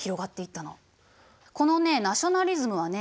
このねナショナリズムはね